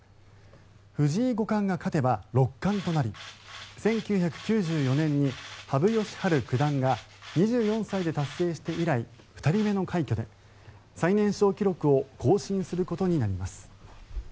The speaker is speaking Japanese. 藤井五冠が勝てば六冠となり１９９４年に羽生善治九段が２４歳で達成して以来２人目の快挙で、最年少記録を更新することになります。